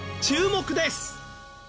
注目です！